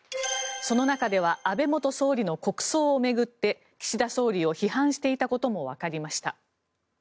その中では安倍元総理の国葬を巡って岸田総理を批判していたこともわかりました。